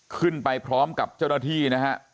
ขึ้นไปพร้อมกับเจ้าหน้าที่นะฮะ